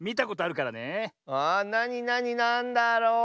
あなになになんだろう？